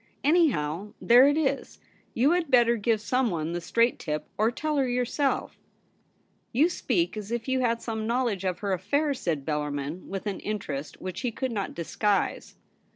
Anyhow, there it is. You had better give someone the straight tip, or tell her yourself.' ' You speak as if you had some knowledge 'ABOUT CHAMPION?' 145 of her affairs,' said Bellarmin, with an interest which he could not disguise.